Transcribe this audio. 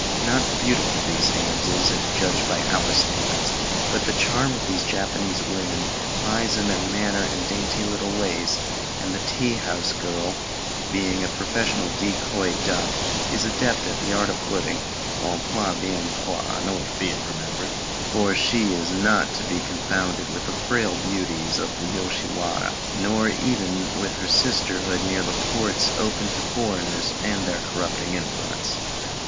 Not beautiful these damsels, if judged by our standard, but the charm of Japanese women lies in their manner and dainty little ways, and the tea house girl, being a professional decoy duck, is an adept in the art of flirting, en tout bien tout honneur, be it remembered; for she is not to be confounded with the frail beauties of the Yoshiwara, nor even with her sisterhood near the ports open to foreigners, and to their corrupting influence.